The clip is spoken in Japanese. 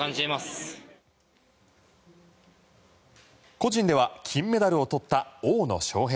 個人では金メダルをとった大野将平。